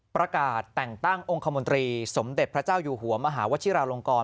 ประกาศแต่งตั้งองค์คมนตรีสมเด็จพระเจ้าอยู่หัวมหาวชิราลงกร